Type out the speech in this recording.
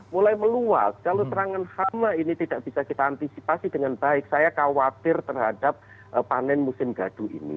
mulai meluas kalau serangan hama ini tidak bisa kita antisipasi dengan baik saya khawatir terhadap panen musim gadu ini